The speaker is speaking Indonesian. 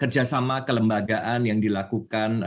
kerjasama kelembagaan yang dilakukan